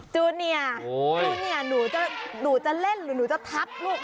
จูเนียจูเนียหนูจะเล่นหรือหนูจะทับลูก